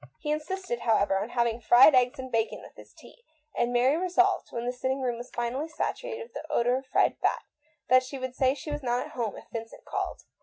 He insisted, however, on having fried eggs and bacon with his tea, and Mary resolved, when the sitting room was finally saturated with the odour of fried fat, that she would say she was "not at home" if Vincent called.